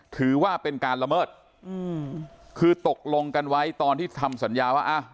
ถือว่าเป็นการละเมิดอืมคือตกลงกันไว้ตอนที่ทำสัญญาว่าอ่ะ